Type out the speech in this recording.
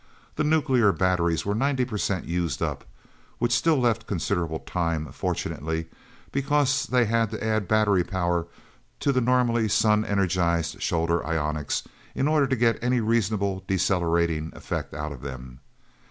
The nuclear batteries were ninety percent used up, which still left considerable time fortunately, because they had to add battery power to the normally sun energized shoulder ionics, in order to get any reasonable decelerating effect out of them.